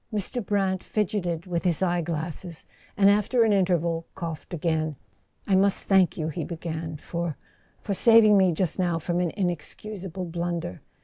Mr. Brant fidgeted with his eye¬ glasses, and after an interval coughed again. "I must thank you," he began, "for—for saving me just now from an inexcusable blunder.